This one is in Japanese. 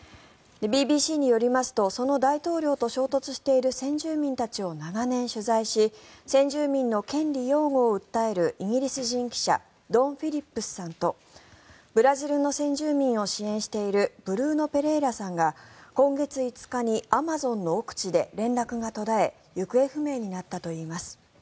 ＢＢＣによりますとその大統領と衝突している先住民たちを長年取材し先住民の権利擁護を訴えるイギリス人記者ドン・フィリップスさんとブラジルの先住民を支援しているブルーノ・ペレイラさんが今月５日にアマゾンの奥地で連絡が途絶え行方不明になったといいます。